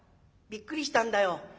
びっくりしたんだよ。